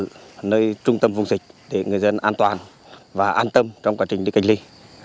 ở nơi trung tâm vùng dịch để người dân an toàn và an tâm trong quá trình đi cách ly